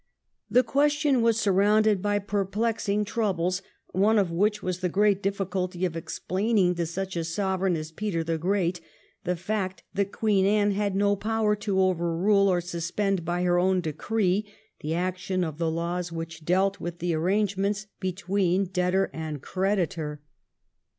The question was surrounded by perplexing troubles, one of which was the great difficulty of explaining to such a Sovereign as Peter the Great the fact that Queen Anne had no power to over rule or suspend by her own decree the action of the laws which dealt with the arrangements between debtor and creditor.